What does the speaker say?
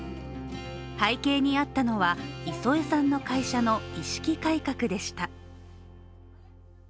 背景にあったのは磯江さんの会社の意識改革でした。